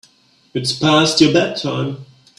It's past your bedtime.